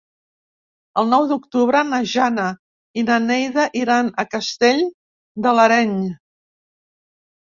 El nou d'octubre na Jana i na Neida iran a Castell de l'Areny.